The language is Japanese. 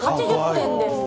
８０点です。